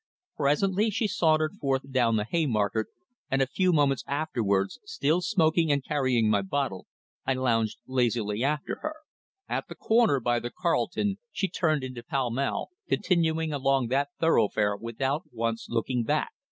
Presently she sauntered forth down the Haymarket, and a few moments afterwards, still smoking and carrying my bottle, I lounged lazily after her. At the corner, by the Carlton, she turned into Pall Mall, continuing along that thoroughfare without once looking back.